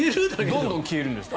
どんどん消えるんです。